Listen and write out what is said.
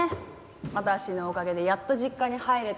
私のおかげでやっと実家に入れて。